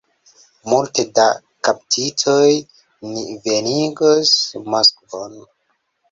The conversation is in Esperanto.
Multe da kaptitoj ni venigos Moskvon!